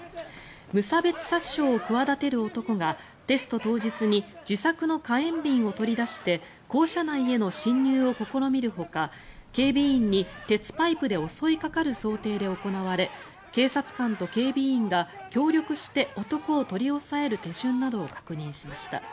無差別殺傷を企てる男がテスト当日に自作の火炎瓶を取り出して校舎内への侵入を試みるほか警備員に鉄パイプで襲いかかる想定で行われ警察官と警備員が協力して男を取り押さえる手順などを確認しました。